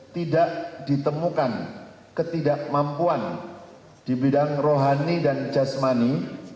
tidak ditemukan ketidakmampuan di bidang rohani dan jasmani